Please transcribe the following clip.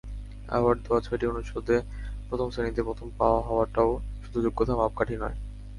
Award দেওয়া ছয়টি অনুষদে প্রথম শ্রেণিতে প্রথম হওয়াটাও শুধু যোগ্যতার মাপকাঠি নয়।